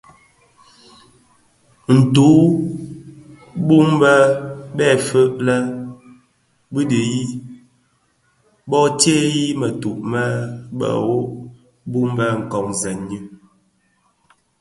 Ntug wu bum bë bè fèëfèg lè bi dhiyis bö tseghi mëtug me bhehho bum bë komzèn ňyi.